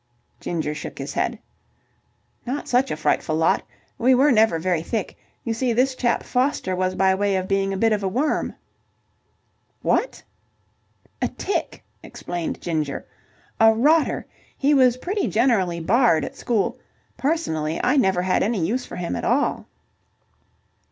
Ginger shook his head. "Not such a frightful lot. We were never very thick. You see, this chap Foster was by way of being a bit of a worm." "What!" "A tick," explained Ginger. "A rotter. He was pretty generally barred at school. Personally, I never had any use for him at all."